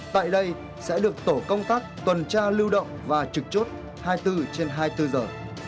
tại đây sẽ được tổ công tác tuần tra lưu động và trực chốt hai mươi bốn trên hai mươi bốn giờ